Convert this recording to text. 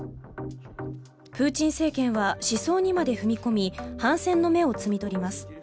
プーチン政権は思想にまで踏み込み反戦の芽を摘み取ります。